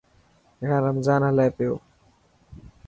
هيڻا رمضان هلي پيو.